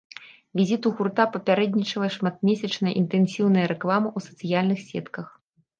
Візіту гурта папярэднічала шматмесячная інтэнсіўная рэклама ў сацыяльных сетках.